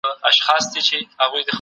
هغوی به سبا خپله پروژه وړاندې کړي.